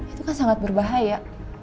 itu kan sangat berbahaya